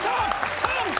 チャンプ！